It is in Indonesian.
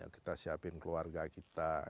kita siapin keluarga kita